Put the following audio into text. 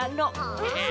え